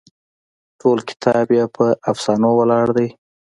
ټول کتاب یې پر افسانو ولاړ دی.